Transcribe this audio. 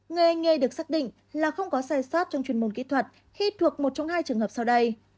người hành nghề được xác định là không có sai sát trong chuyên môn kỹ thuật khi thuộc một trong hai trường hợp sau đây